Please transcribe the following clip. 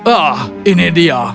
ah ini dia